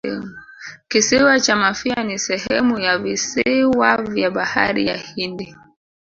Kisiwa cha Mafia ni sehemu ya visiwa vya Bahari ya Hindi